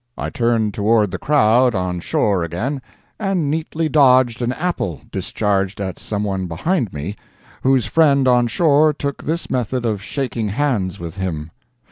I turned toward the crowd on shore again, and neatly dodged an apple discharged at someone behind me, whose friend on shore took this method of shaking hands with him.